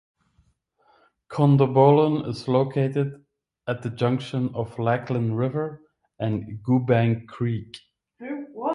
Condobolin is located at the junction of Lachlan River and Goobang Creek.